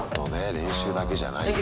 練習だけじゃないんだ。